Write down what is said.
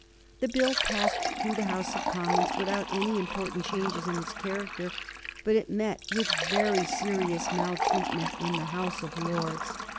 The Bill passed through the House of Commons without any important change in its character, but it met with very serious maltreatment in the House of Lords.